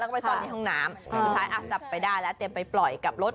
คุณหมายจับไปได้แล้วเตรียมไปปล่อยกับรถ